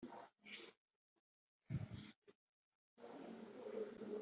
ihererekanyamakuru ku bakiliya .